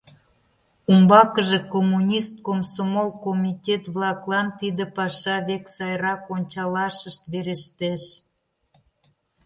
Умбакыже коммунист, комсомол комитет-влаклан тиде паша век сайрак ончалашышт верештеш.